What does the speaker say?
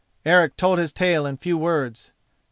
Eric told his tale in few words.